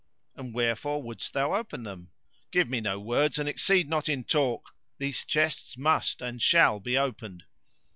"And wherefore wouldst thou open them?" "Give me no words and exceed not in talk! These chests must and shall be opened."